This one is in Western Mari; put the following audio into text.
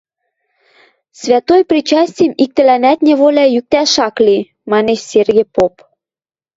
Святой причастим иктӹлӓнӓт неволя йӱктӓш ак ли, — манеш Серге поп.